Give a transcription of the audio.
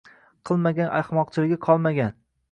Qilmagan ahmoqchiligi qolmagan.